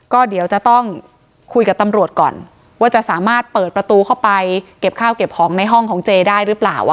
ก็เดี๋ยวจะต้องคุยกับตำรวจก่อนว่าจะสามารถเปิดประตูเข้าไปเก็บข้าวเก็บของในห้องของเจได้หรือเปล่า